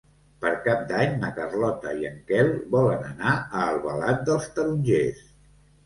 Per Cap d'Any na Carlota i en Quel volen anar a Albalat dels Tarongers.